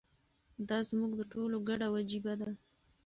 دا زموږ د ټولو ګډه وجیبه ده.